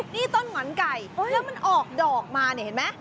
นี่ต้นหงอนไก่แล้วมันออกดอกมาเนี่ยเห็นไหม